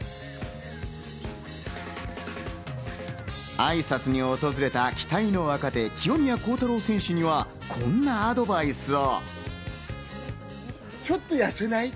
挨拶に訪れた期待の若手・清宮幸太郎選手にはこんなアドバイスを。